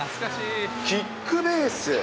キックベース。